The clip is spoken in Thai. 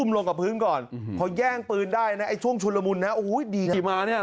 อุ้มลงกับพื้นก่อนเพราะแย่งปืนได้นะไอ้ช่วงชุนละมุนนะอุ้ยดีนะ